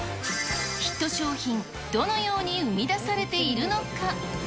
ヒット商品、どのように生み出されているのか。